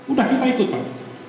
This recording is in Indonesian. udah kita ikut pak